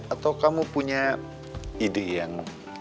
atau kamu punya ide yang